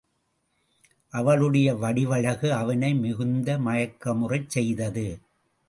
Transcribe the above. அவளுடைய வடிவழகு அவனை மிகுந்த மயக்கமுறச் செய்தது.